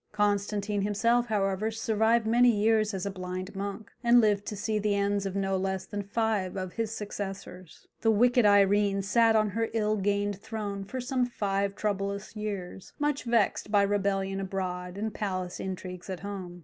Constantine himself, however, survived many years as a blind monk, and lived to see the ends of no less than five of his successors. The wicked Irene sat on her ill gained throne for some five troublous years, much vexed by rebellion abroad and palace intrigues at home.